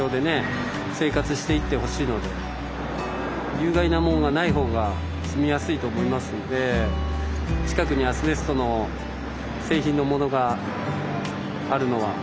有害なもんがない方が住みやすいと思いますんで近くにアスベストの製品のものがあるのは。